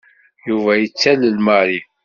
Yuba yettalel Mary.